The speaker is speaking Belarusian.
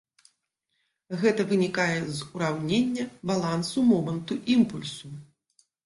Гэта вынікае з ураўнення балансу моманту імпульсу.